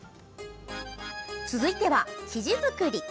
続いては、生地作り。